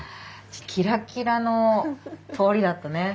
キラキラの通りだったね。